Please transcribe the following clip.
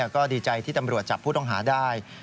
ก็ดีใจที่ตำรวจจับผู้ต้องหาได้